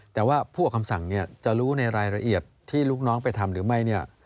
แต่ว่าผู้ออกคำสั่งเนี่ยจะรู้ในรายละเอียดที่ลูกน้องไปทำหรือไม่เนี่ย